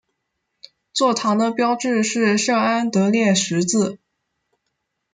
座堂的标志是圣安德烈十字。